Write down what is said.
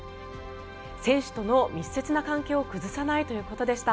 選手との密接な関係を崩さないということでした。